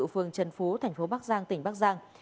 phường trần phú tp bắc giang tỉnh bắc giang